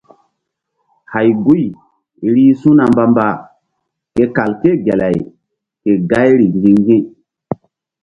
Hay guy rih su̧na mbamba ke kal ké gelay ke gayri ŋgi̧-ŋgi̧.